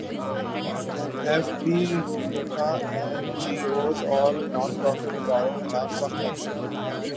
F B رکا NGOs اور non profit اداروں کیخلاف سخت ایکشن